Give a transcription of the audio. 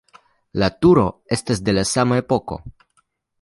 La turo estas de la sama epoko.